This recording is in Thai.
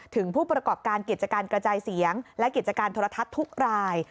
ถึงผู้ประกอบการกิจการกระจายเสียงและกิจการโทรทัศน์ทุกราย